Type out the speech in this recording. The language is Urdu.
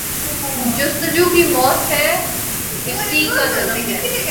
جستجو کی موت بے حسی کا جنم ہے۔